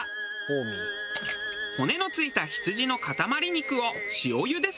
骨の付いた羊の塊肉を塩茹でするだけ。